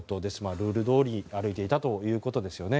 ルールどおりに歩いていたということですよね。